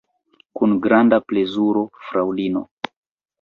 Kun granda plezuro, fraŭlino!